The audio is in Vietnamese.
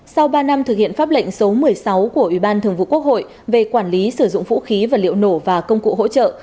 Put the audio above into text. sau ba năm thực hiện pháp lệnh số một mươi sáu của ủy ban thường vụ quốc hội về quản lý sử dụng vũ khí và liệu nổ và công cụ hỗ trợ